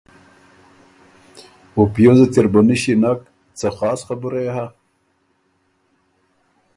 او پیوزه تِر بُو نِݭی نک، څه خاص خبُره يې هۀ؟